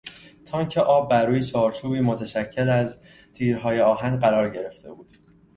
تانک آب برروی چارچوبی متشکل از تیرهای آهن قرار گرفته بود.